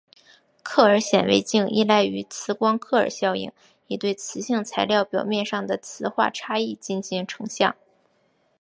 克尔显微镜依赖于磁光克尔效应以对磁性材料表面上的磁化差异进行成像。